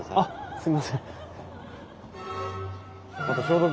すいません。